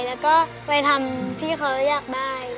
แล้วก็ไปทำที่เขาอยากได้